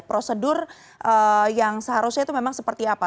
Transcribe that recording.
prosedur yang seharusnya itu memang seperti apa